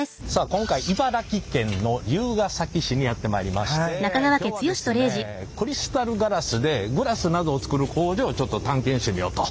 今回茨城県の龍ケ崎市にやって参りまして今日はですねクリスタルガラスでグラスなどをつくる工場をちょっと探検してみようと。